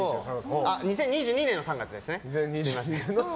あ、２０２２年の３月ですね。